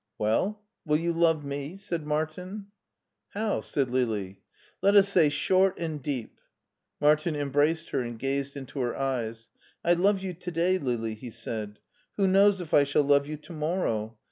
" Well, will you love me ?" said Martin. "How? said Lili. "Let us say short and deep/* Martin embraced her and gazed into her eyes. "I love you to day, Lili," he said; "who knows if I shall love you to morrow.